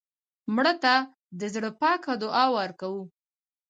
مړه ته د زړه پاکه دعا ورکوو